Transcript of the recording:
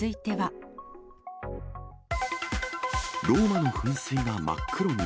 ローマの噴水が真っ黒に！